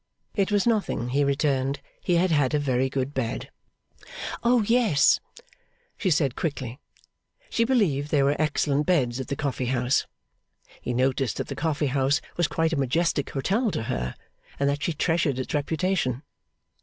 It was nothing, he returned. He had had a very good bed. 'Oh yes!' she said quickly; 'she believed there were excellent beds at the coffee house.' He noticed that the coffee house was quite a majestic hotel to her, and that she treasured its reputation.